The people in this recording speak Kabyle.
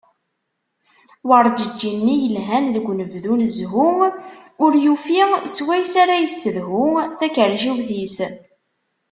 Werǧeǧǧi-nni yelhan deg unebdu d zzhu, ur yufi s wayes ara yessedhu takerciwt-is.